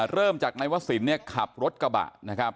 เริ่มจากนายวะสินเนี่ยขับรถกระบะนะครับ